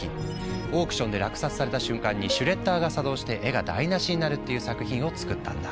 オークションで落札された瞬間にシュレッダーが作動して絵が台なしになるっていう作品を作ったんだ。